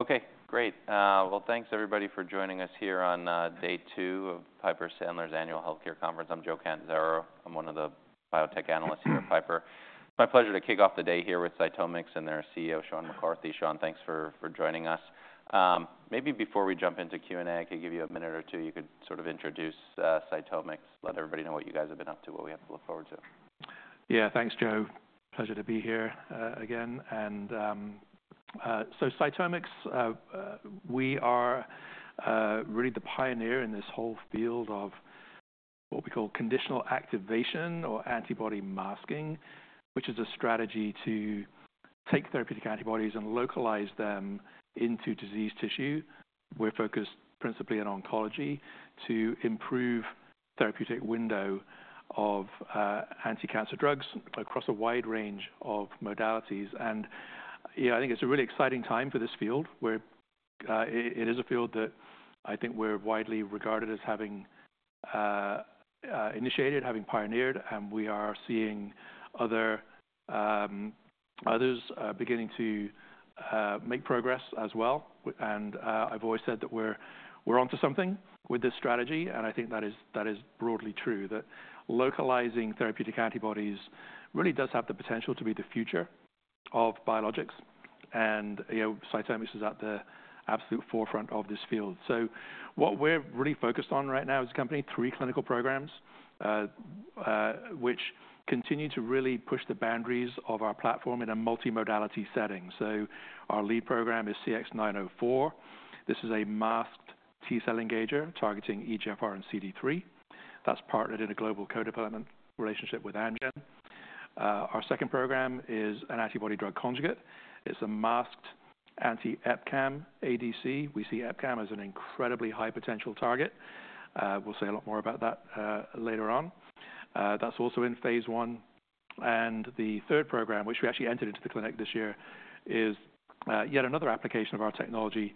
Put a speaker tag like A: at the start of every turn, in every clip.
A: Okay, great. Thanks everybody for joining us here on day two of Piper Sandler's annual healthcare conference. I'm Joe Catanzaro. I'm one of the biotech analysts here at Piper. It's my pleasure to kick off the day here with CytomX and their CEO, Sean McCarthy. Sean, thanks for joining us. Maybe before we jump into Q&A, I could give you a minute or two. You could sort of introduce CytomX, let everybody know what you guys have been up to, what we have to look forward to.
B: Yeah, thanks, Joe. Pleasure to be here again. And so CytomX, we are really the pioneer in this whole field of what we call conditional activation or antibody masking, which is a strategy to take therapeutic antibodies and localize them into disease tissue. We're focused principally on oncology to improve the therapeutic window of anti-cancer drugs across a wide range of modalities. And I think it's a really exciting time for this field where it is a field that I think we're widely regarded as having initiated, having pioneered, and we are seeing others beginning to make progress as well. And I've always said that we're onto something with this strategy, and I think that is broadly true, that localizing therapeutic antibodies really does have the potential to be the future of biologics. And CytomX is at the absolute forefront of this field. So what we're really focused on right now as a company are three clinical programs, which continue to really push the boundaries of our platform in a multi-modality setting. Our lead program is CX-904. This is a masked T-cell engager targeting EGFR and CD3. That's partnered in a global co-development relationship with Amgen. Our second program is an antibody-drug conjugate. It's a masked anti-EpCAM ADC. We see EpCAM as an incredibly high potential target. We'll say a lot more about that later on. That's also in phase one. The third program, which we actually entered into the clinic this year, is yet another application of our technology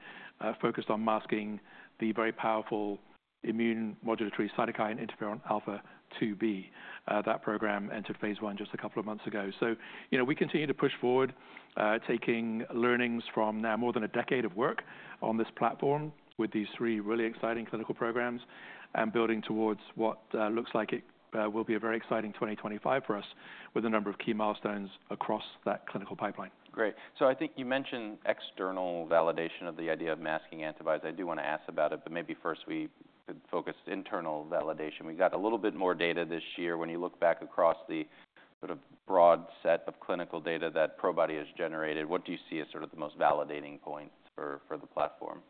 B: focused on masking the very powerful immune modulatory cytokine interferon alpha-2b. That program entered phase one just a couple of months ago. We continue to push forward, taking learnings from now more than a decade of work on this platform with these three really exciting clinical programs and building towards what looks like it will be a very exciting 2025 for us with a number of key milestones across that clinical pipeline.
A: Great. So I think you mentioned external validation of the idea of masking antibodies. I do want to ask about it, but maybe first we could focus on internal validation. We've got a little bit more data this year. When you look back across the sort of broad set of clinical data that Probody has generated, what do you see as sort of the most validating point for the platform?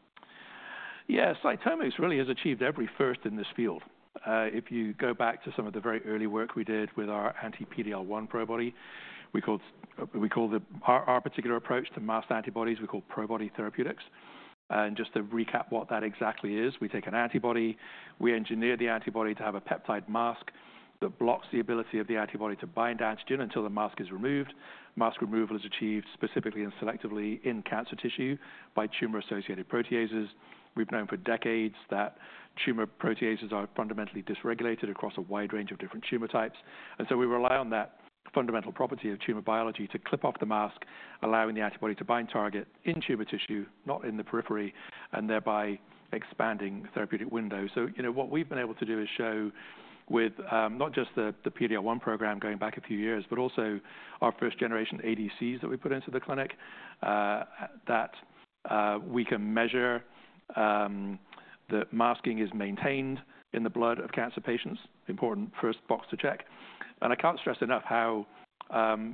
B: Yeah, CytomX really has achieved every first in this field. If you go back to some of the very early work we did with our anti-PD-L1 Probody, we call our particular approach to masked antibodies, we call Probody Therapeutics. And just to recap what that exactly is, we take an antibody, we engineer the antibody to have a peptide mask that blocks the ability of the antibody to bind to the antigen until the mask is removed. Mask removal is achieved specifically and selectively in cancer tissue by tumor-associated proteases. We've known for decades that tumor proteases are fundamentally dysregulated across a wide range of different tumor types. And so we rely on that fundamental property of tumor biology to clip off the mask, allowing the antibody to bind target in tumor tissue, not in the periphery, and thereby expanding the therapeutic window. So what we've been able to do is show with not just the PD-L1 program going back a few years, but also our first-generation ADCs that we put into the clinic, that we can measure that masking is maintained in the blood of cancer patients. Important first box to check. And I can't stress enough how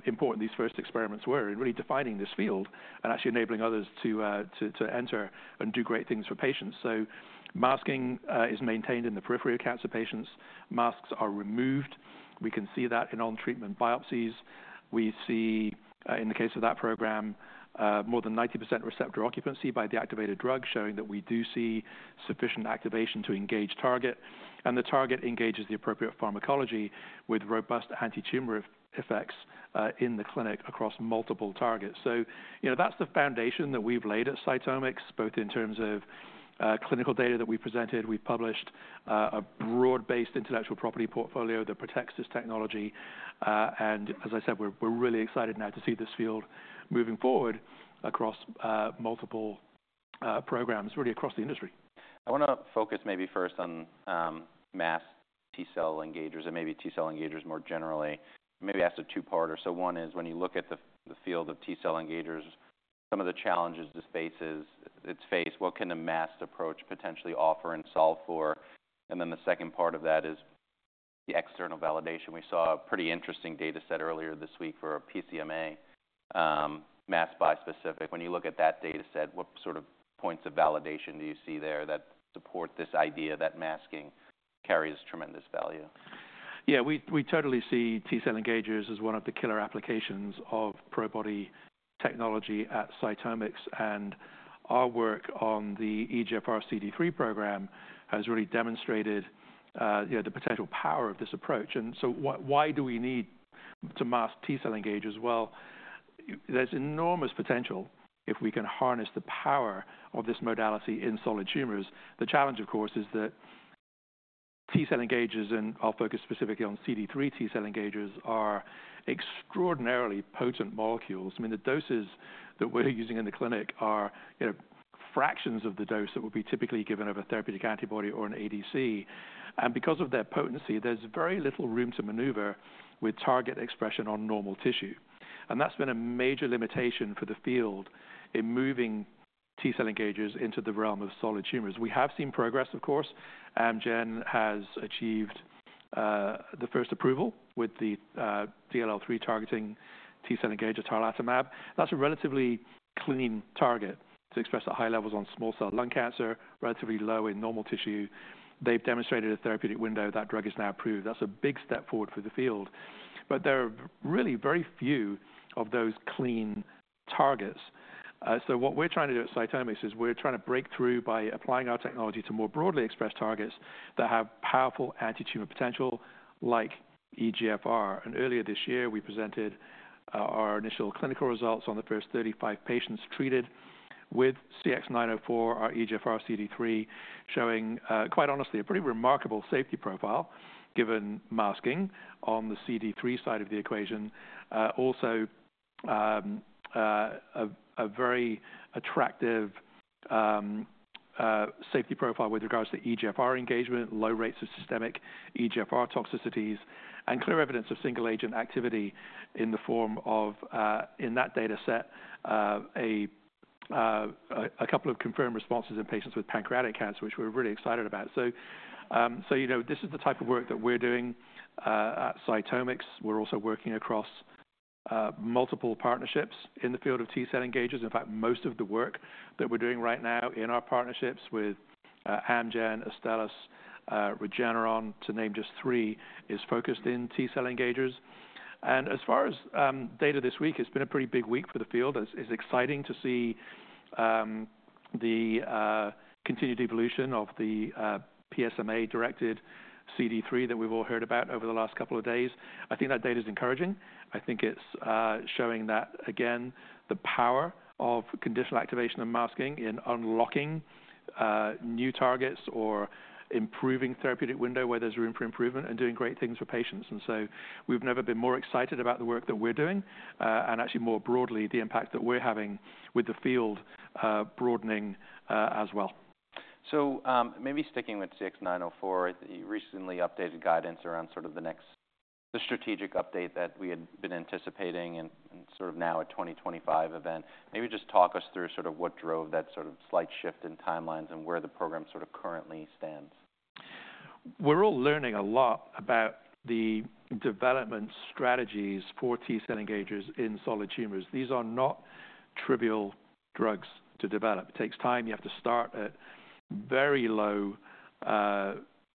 B: important these first experiments were in really defining this field and actually enabling others to enter and do great things for patients. So masking is maintained in the periphery of cancer patients. Masks are removed. We can see that in on-treatment biopsies. We see, in the case of that program, more than 90% receptor occupancy by the activated drug, showing that we do see sufficient activation to engage target. And the target engages the appropriate pharmacology with robust anti-tumor effects in the clinic across multiple targets. So that's the foundation that we've laid at CytomX, both in terms of clinical data that we presented. We've published a broad-based intellectual property portfolio that protects this technology. And as I said, we're really excited now to see this field moving forward across multiple programs, really across the industry.
A: I want to focus maybe first on masked T-cell engagers and maybe T-cell engagers more generally. Maybe ask a two-parter. So one is when you look at the field of T-cell engagers, some of the challenges it faces, what can a masked approach potentially offer and solve for? And then the second part of that is the external validation. We saw a pretty interesting data set earlier this week for a PSMA masked bispecific. When you look at that data set, what sort of points of validation do you see there that support this idea that masking carries tremendous value?
B: Yeah, we totally see T-cell engagers as one of the killer applications of Probody technology at CytomX. And our work on the EGFR CD3 program has really demonstrated the potential power of this approach. And so why do we need to mask T-cell engagers? Well, there's enormous potential if we can harness the power of this modality in solid tumors. The challenge, of course, is that T-cell engagers, and I'll focus specifically on CD3 T-cell engagers, are extraordinarily potent molecules. I mean, the doses that we're using in the clinic are fractions of the dose that would be typically given of a therapeutic antibody or an ADC. And because of their potency, there's very little room to maneuver with target expression on normal tissue. And that's been a major limitation for the field in moving T-cell engagers into the realm of solid tumors. We have seen progress, of course. Amgen has achieved the first approval with the DLL3 targeting T-cell engager, tarlatamab. That's a relatively clean target to express at high levels on small cell lung cancer, relatively low in normal tissue. They've demonstrated a therapeutic window. That drug is now approved. That's a big step forward for the field. But there are really very few of those clean targets. So what we're trying to do at CytomX is we're trying to break through by applying our technology to more broadly expressed targets that have powerful anti-tumor potential like EGFR. And earlier this year, we presented our initial clinical results on the first 35 patients treated with CX-904, our EGFR CD3, showing quite honestly a pretty remarkable safety profile given masking on the CD3 side of the equation. Also, a very attractive safety profile with regards to EGFR engagement, low rates of systemic EGFR toxicities, and clear evidence of single-agent activity in the form of, in that data set, a couple of confirmed responses in patients with pancreatic cancer, which we're really excited about. So this is the type of work that we're doing at CytomX. We're also working across multiple partnerships in the field of T-cell engagers. In fact, most of the work that we're doing right now in our partnerships with Amgen, Astellas, Regeneron, to name just three, is focused in T-cell engagers. And as far as data this week, it's been a pretty big week for the field. It's exciting to see the continued evolution of the PSMA-directed CD3 that we've all heard about over the last couple of days. I think that data is encouraging. I think it's showing that, again, the power of conditional activation and masking in unlocking new targets or improving therapeutic window where there's room for improvement and doing great things for patients. And so we've never been more excited about the work that we're doing and actually more broadly the impact that we're having with the field broadening as well.
A: So maybe sticking with CX-904, the recently updated guidance around sort of the strategic update that we had been anticipating and sort of now a 2025 event, maybe just talk us through sort of what drove that sort of slight shift in timelines and where the program sort of currently stands?
B: We're all learning a lot about the development strategies for T-cell engagers in solid tumors. These are not trivial drugs to develop. It takes time. You have to start at very low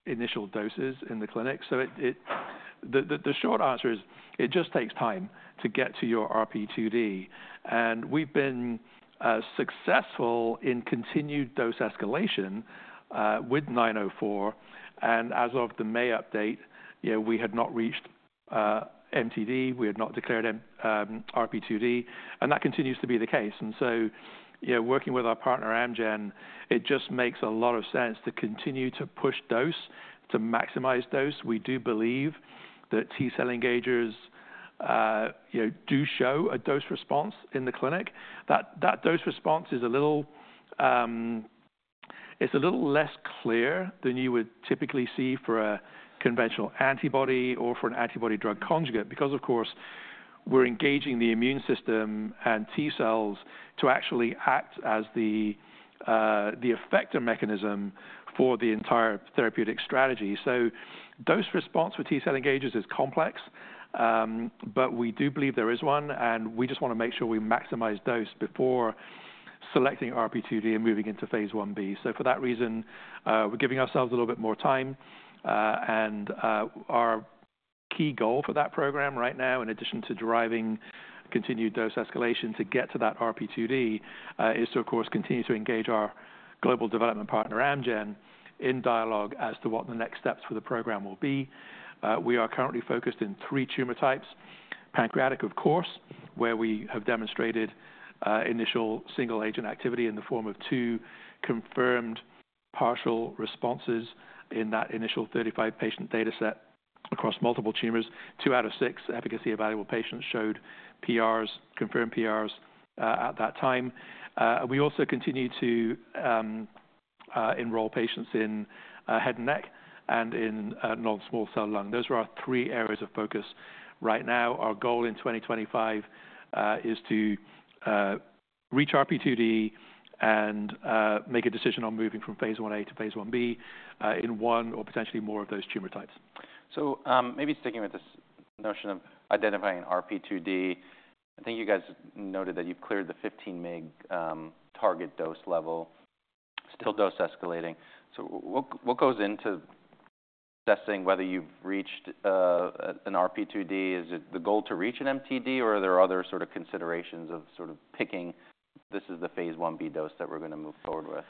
B: initial doses in the clinic. So the short answer is it just takes time to get to your RP2D. And we've been successful in continued dose escalation with 904. And as of the May update, we had not reached MTD. We had not declared RP2D. And that continues to be the case. And so working with our partner Amgen, it just makes a lot of sense to continue to push dose to maximize dose. We do believe that T-cell engagers do show a dose response in the clinic. That dose response is a little less clear than you would typically see for a conventional antibody or for an antibody-drug conjugate because, of course, we're engaging the immune system and T-cells to actually act as the effector mechanism for the entire therapeutic strategy. So dose response for T-cell engagers is complex, but we do believe there is one, and we just want to make sure we maximize dose before selecting RP2D and moving into phase I-B. So for that reason, we're giving ourselves a little bit more time. And our key goal for that program right now, in addition to driving continued dose escalation to get to that RP2D, is to, of course, continue to engage our global development partner Amgen in dialogue as to what the next steps for the program will be. We are currently focused in three tumor types: pancreatic, of course, where we have demonstrated initial single-agent activity in the form of two confirmed partial responses in that initial 35-patient data set across multiple tumors. Two out of six efficacy-available patients showed confirmed PRs at that time. We also continue to enroll patients in head and neck and in non-small cell lung. Those are our three areas of focus right now. Our goal in 2025 is to reach RP2D and make a decision on moving phase I-A to phase I-B in one or potentially more of those tumor types.
A: So maybe sticking with this notion of identifying RP2D, I think you guys noted that you've cleared the 15-mg target dose level, still dose escalating. So what goes into assessing whether you've reached an RP2D? Is it the goal to reach an MTD, or are there other sort of considerations of sort of picking this is the phase I-B dose that we're going to move forward with?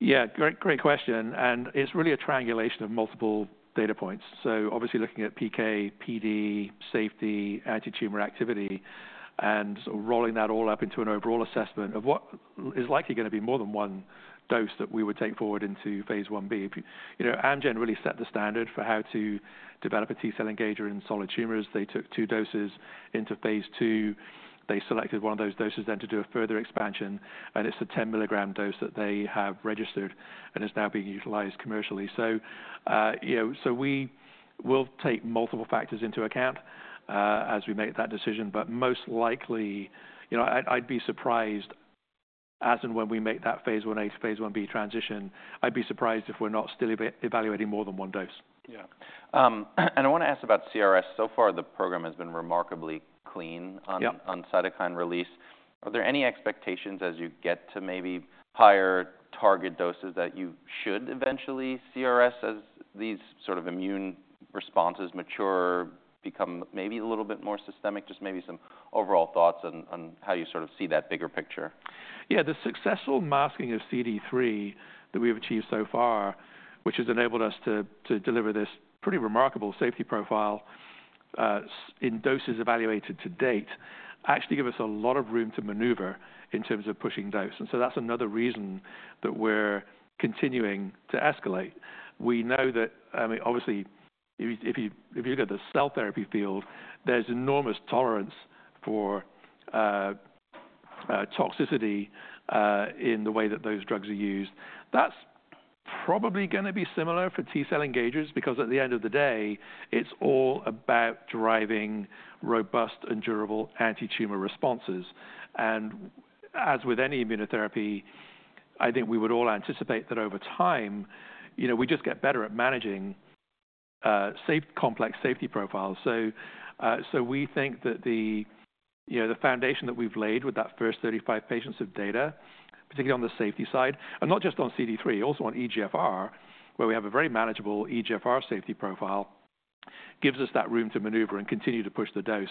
B: Yeah, great question. And it's really a triangulation of multiple data points. So obviously looking at PK, PD, safety, anti-tumor activity, and rolling that all up into an overall assessment of what is likely going to be more than one dose that we would take forward into phase I-B. Amgen really set the standard for how to develop a T-cell engager in solid tumors. They took two doses into phase II. They selected one of those doses then to do a further expansion. And it's a 10 mg dose that they have registered and is now being utilized commercially. So we will take multiple factors into account as we make that decision. But most likely, I'd be surprised as and when we make phase I-A, phase I-B transition, I'd be surprised if we're not still evaluating more than one dose.
A: Yeah. And I want to ask about CRS. So far, the program has been remarkably clean on cytokine release. Are there any expectations as you get to maybe higher target doses that you should eventually CRS as these sort of immune responses mature, become maybe a little bit more systemic? Just maybe some overall thoughts on how you sort of see that bigger picture.
B: Yeah, the successful masking of CD3 that we've achieved so far, which has enabled us to deliver this pretty remarkable safety profile in doses evaluated to date, actually gives us a lot of room to maneuver in terms of pushing dose. And so that's another reason that we're continuing to escalate. We know that, obviously, if you look at the cell therapy field, there's enormous tolerance for toxicity in the way that those drugs are used. That's probably going to be similar for T-cell engagers because at the end of the day, it's all about driving robust and durable anti-tumor responses. And as with any immunotherapy, I think we would all anticipate that over time, we just get better at managing complex safety profiles. So we think that the foundation that we've laid with that first 35 patients of data, particularly on the safety side, and not just on CD3, also on EGFR, where we have a very manageable EGFR safety profile, gives us that room to maneuver and continue to push the dose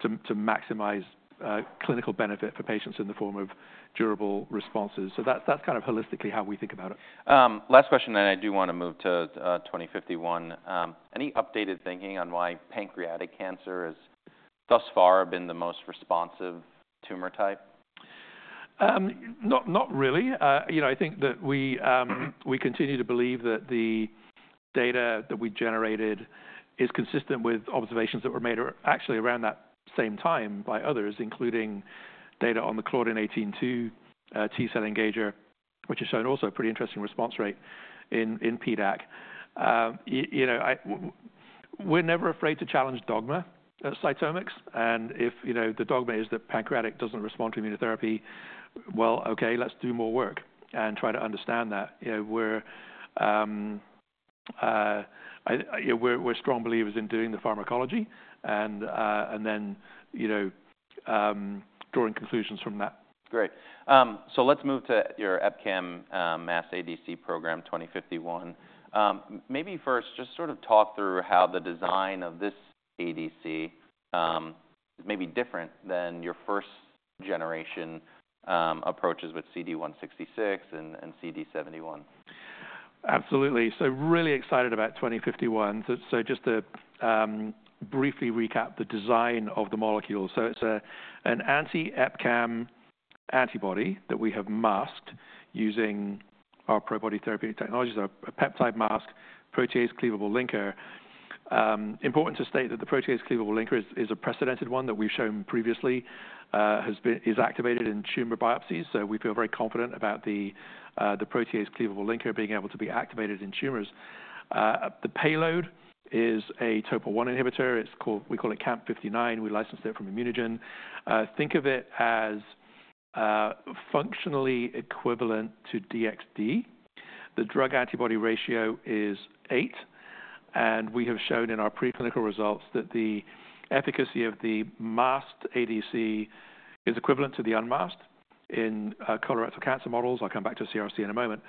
B: to maximize clinical benefit for patients in the form of durable responses. So that's kind of holistically how we think about it.
A: Last question, and I do want to move to CX-2051. Any updated thinking on why pancreatic cancer has thus far been the most responsive tumor type?
B: Not really. I think that we continue to believe that the data that we generated is consistent with observations that were made actually around that same time by others, including data on the Claudin 18.2 T-cell engager, which has shown also a pretty interesting response rate in PDAC. We're never afraid to challenge dogma at CytomX. And if the dogma is that pancreatic doesn't respond to immunotherapy, well, okay, let's do more work and try to understand that. We're strong believers in doing the pharmacology and then drawing conclusions from that.
A: Great. So let's move to your EpCAM ADC program CX-2051. Maybe first, just sort of talk through how the design of this ADC is maybe different than your first-generation approaches with CD166 and CD71.
B: Absolutely. So really excited about CX-2051. So just to briefly recap the design of the molecule. So it's an anti-EpCAM antibody that we have masked using our Probody therapeutic technology, so a peptide mask, protease cleavable linker. Important to state that the protease cleavable linker is a precedented one that we've shown previously is activated in tumor biopsies. So we feel very confident about the protease cleavable linker being able to be activated in tumors. The payload is a topo-1 inhibitor. We call it CAMP59. We licensed it from ImmunoGen. Think of it as functionally equivalent to DXd. The drug-antibody ratio is eight. And we have shown in our preclinical results that the efficacy of the masked ADC is equivalent to the unmasked in colorectal cancer models. I'll come back to CRC in a moment.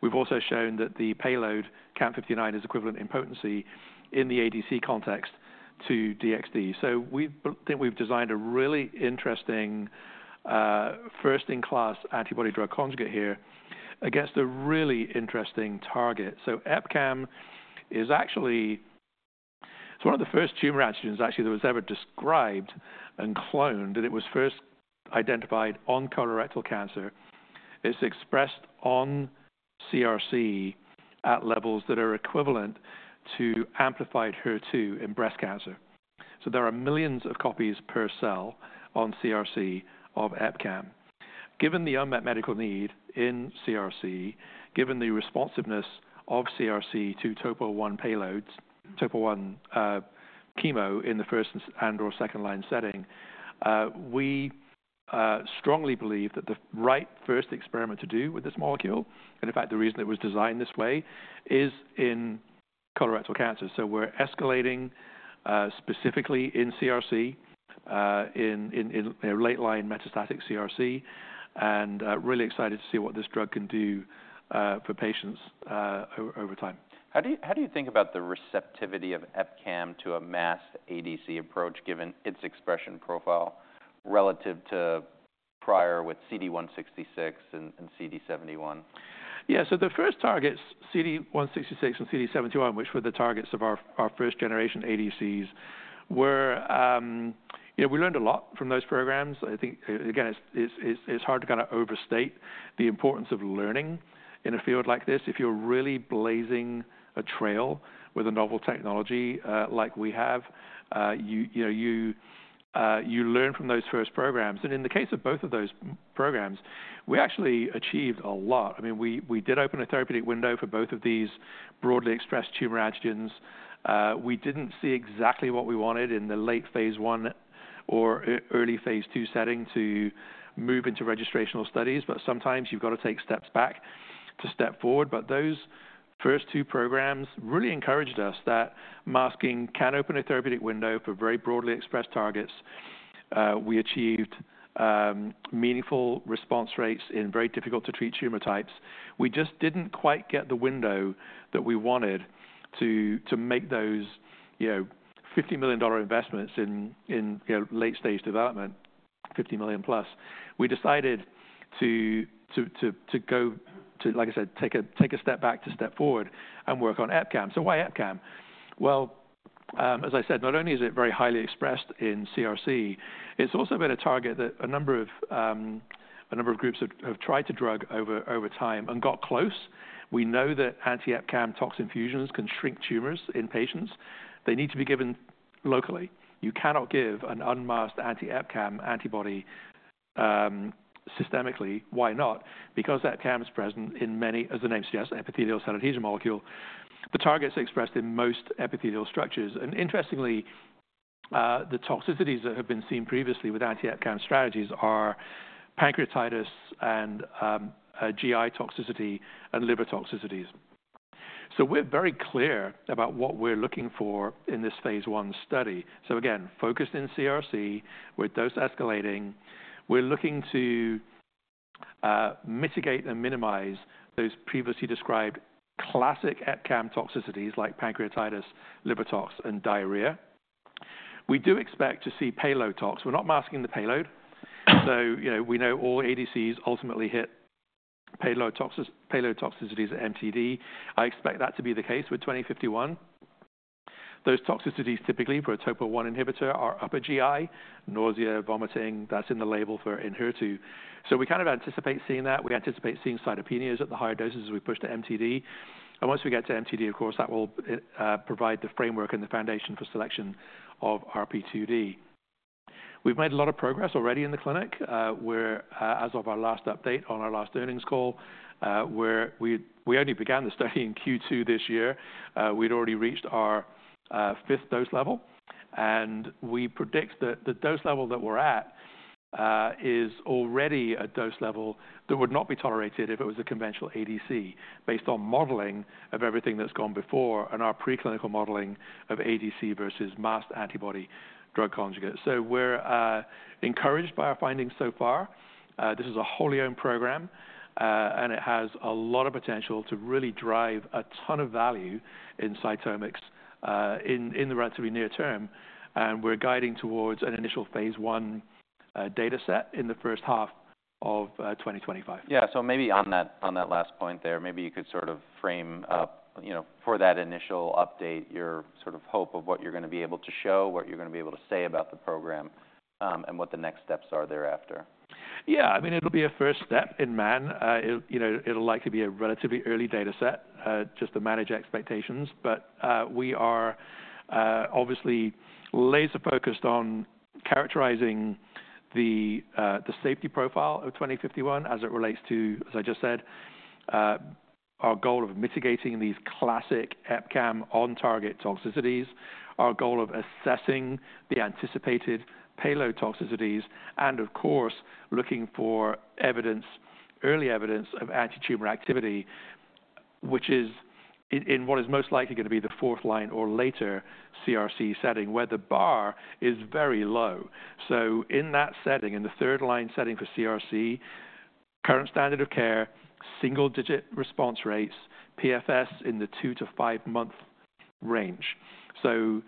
B: We've also shown that the payload, CAMP59, is equivalent in potency in the ADC context to DXd. So we think we've designed a really interesting first-in-class antibody-drug conjugate here against a really interesting target. So EpCAM is actually one of the first tumor antigens actually that was ever described and cloned. And it was first identified on colorectal cancer. It's expressed on CRC at levels that are equivalent to amplified HER2 in breast cancer. So there are millions of copies per cell on CRC of EpCAM. Given the unmet medical need in CRC, given the responsiveness of CRC to topo-1 chemo in the first and/or second-line setting, we strongly believe that the right first experiment to do with this molecule, and in fact, the reason it was designed this way, is in colorectal cancer. So we're escalating specifically in CRC, in late-line metastatic CRC, and really excited to see what this drug can do for patients over time.
A: How do you think about the receptivity of EpCAM to a masked ADC approach given its expression profile relative to priors with CD166 and CD71?
B: Yeah, so the first targets, CD166 and CD71, which were the targets of our first-generation ADCs, we learned a lot from those programs. I think, again, it's hard to kind of overstate the importance of learning in a field like this. If you're really blazing a trail with a novel technology like we have, you learn from those first programs. And in the case of both of those programs, we actually achieved a lot. I mean, we did open a therapeutic window for both of these broadly expressed tumor antigens. We didn't see exactly what we wanted in the late phase I or early phase II setting to move into registrational studies, but sometimes you've got to take steps back to step forward. But those first two programs really encouraged us that masking can open a therapeutic window for very broadly expressed targets. We achieved meaningful response rates in very difficult-to-treat tumor types. We just didn't quite get the window that we wanted to make those $50 million investments in late-stage development, $50 million+. We decided to go, like I said, take a step back to step forward and work on EpCAM, so why EpCAM? Well, as I said, not only is it very highly expressed in CRC, it's also been a target that a number of groups have tried to drug over time and got close. We know that anti-EpCAM toxin fusions can shrink tumors in patients. They need to be given locally. You cannot give an unmasked anti-EpCAM antibody systemically. Why not? Because EpCAM is present in many, as the name suggests, epithelial cell adhesion molecule. The targets are expressed in most epithelial structures. Interestingly, the toxicities that have been seen previously with anti-EpCAM strategies are pancreatitis and GI toxicity and liver toxicities. We're very clear about what we're looking for in this phase I study. Again, focused in CRC with dose escalating, we're looking to mitigate and minimize those previously described classic EpCAM toxicities like pancreatitis, liver tox, and diarrhea. We do expect to see payload tox. We're not masking the payload. We know all ADCs ultimately hit payload toxicities at MTD. I expect that to be the case with CX-2051. Those toxicities typically for a topo-1 inhibitor are upper GI, nausea, vomiting. That's in the label for Enhertu. We kind of anticipate seeing that. We anticipate seeing cytopenias at the higher doses as we push to MTD. Once we get to MTD, of course, that will provide the framework and the foundation for selection of RP2D. We've made a lot of progress already in the clinic. As of our last update on our last earnings call, we only began the study in Q2 this year. We'd already reached our fifth dose level. We predict that the dose level that we're at is already a dose level that would not be tolerated if it was a conventional ADC based on modeling of everything that's gone before and our preclinical modeling of ADC versus masked antibody drug conjugate. We're encouraged by our findings so far. This is a wholly owned program, and it has a lot of potential to really drive a ton of value in CytomX in the relatively near term. We're guiding towards an initial phase I dataset in the first half of 2025.
A: Yeah, so maybe on that last point there, maybe you could sort of frame for that initial update your sort of hope of what you're going to be able to show, what you're going to be able to say about the program, and what the next steps are thereafter.
B: Yeah, I mean, it'll be a first step in man. It'll likely be a relatively early dataset, just to manage expectations. But we are obviously laser-focused on characterizing the safety profile of CX-2051 as it relates to, as I just said, our goal of mitigating these classic EpCAM on-target toxicities, our goal of assessing the anticipated payload toxicities, and of course, looking for early evidence of anti-tumor activity, which is in what is most likely going to be the fourth line or later CRC setting, where the bar is very low. So in that setting, in the third line setting for CRC, current standard of care, single-digit response rates, PFS in the two- to five-month range. So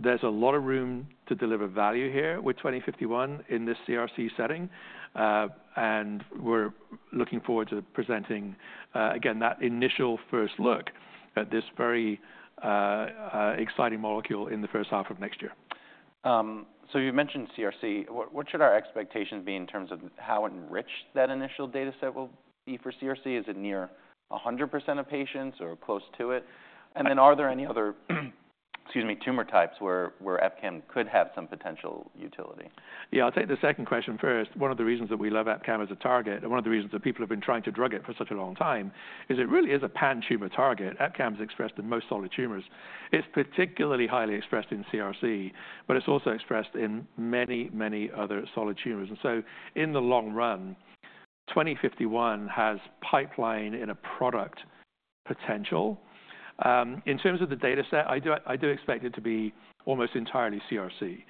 B: there's a lot of room to deliver value here with CX-2051 in this CRC setting. We're looking forward to presenting, again, that initial first look at this very exciting molecule in the first half of next year.
A: So you mentioned CRC. What should our expectations be in terms of how enriched that initial dataset will be for CRC? Is it near 100% of patients or close to it? And then are there any other tumor types where EpCAM could have some potential utility?
B: Yeah, I'll take the second question first. One of the reasons that we love EpCAM as a target, and one of the reasons that people have been trying to drug it for such a long time, is it really is a pan-tumor target. EpCAM is expressed in most solid tumors. It's particularly highly expressed in CRC, but it's also expressed in many, many other solid tumors. And so in the long run, CX-2051 has pipeline and a product potential. In terms of the dataset, I do expect it to be almost entirely CRC.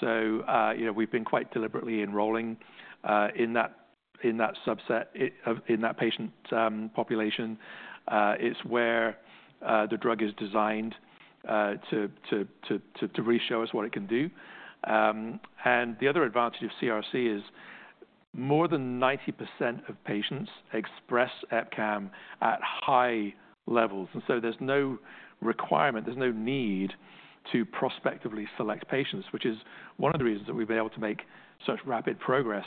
B: So we've been quite deliberately enrolling in that subset in that patient population. It's where the drug is designed to really show us what it can do. And the other advantage of CRC is more than 90% of patients express EpCAM at high levels. And so there's no requirement, there's no need to prospectively select patients, which is one of the reasons that we've been able to make such rapid progress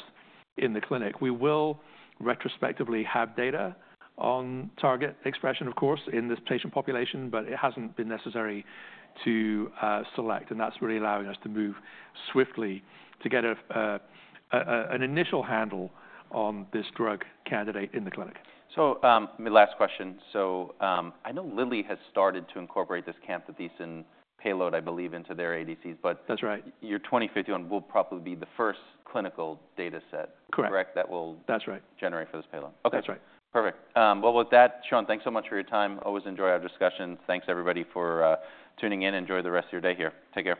B: in the clinic. We will retrospectively have data on target expression, of course, in this patient population, but it hasn't been necessary to select. And that's really allowing us to move swiftly to get an initial handle on this drug candidate in the clinic.
A: So last question. So I know Lilly has started to incorporate this camptothecin payload, I believe, into their ADCs.
B: That's right.
A: But your CX-2051 will probably be the first clinical dataset.
B: Correct.
A: That will generate for this payload.
B: That's right.
A: Perfect. Well, with that, Sean, thanks so much for your time. Always enjoy our discussions. Thanks, everybody, for tuning in. Enjoy the rest of your day here. Take care.